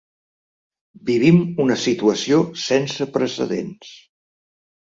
Vivim una situació sense precedents.